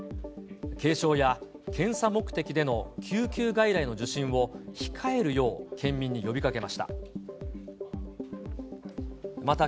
軽症や検査目的での救急外来の受診を控えるよう、県民に呼びかけました。